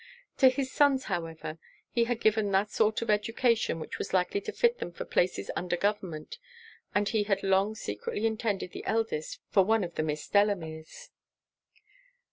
To his sons, however, he had given that sort of education which was likely to fit them for places under government; and he had long secretly intended the eldest for one of the Miss Delameres.